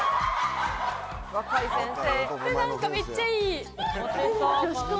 何かめっちゃいい。